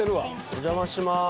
お邪魔します。